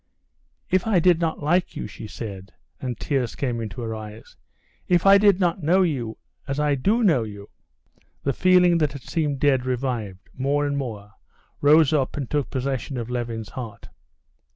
"If I did not like you," she said, and tears came into her eyes; "if I did not know you, as I do know you...." The feeling that had seemed dead revived more and more, rose up and took possession of Levin's heart.